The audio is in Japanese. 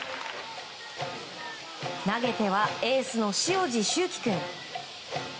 投げてはエースの塩路柊季君。